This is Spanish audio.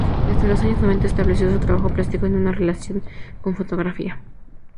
Desde los años noventa estableció en su trabajo plástico una relación con la fotografía.